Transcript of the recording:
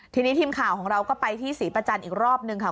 ทีนี้ทีมข่าวของเราก็ไปที่ศรีประจันทร์อีกรอบนึงค่ะ